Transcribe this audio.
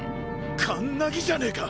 カンナギじゃねぇか！